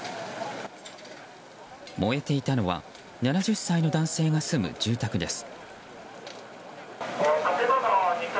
燃えていたのは７０歳の男性が住む住宅です。